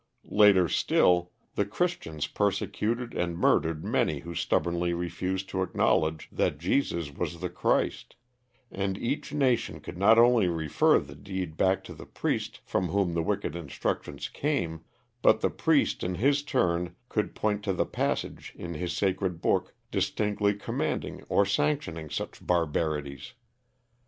Later still, the Christians persecuted and murdered many who stubbornly refused to acknowledge that Jesus was the Christ; and each nation could not only refer the deed back to the priest from whom the wicked instructions came, but the priest in his turn could point to the passage in his sacred book distinctly commanding or sanctioning such barbarities.